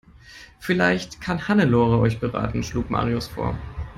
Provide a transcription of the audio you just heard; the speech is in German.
Vielleicht kann Hannelore euch beraten, schlug Marius vor.